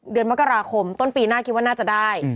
เดือนมกราคมต้นปีหน้าคิดว่าน่าจะได้